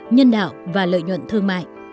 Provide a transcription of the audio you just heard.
nhân đạo và lợi nhuận thương mại